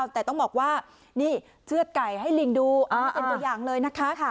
แต่ต้องบอกว่าเชือกไก่ให้ลิงดูเป็นตัวอย่างเลยนะคะ